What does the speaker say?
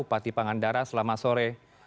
bupati pangandaran selamat sore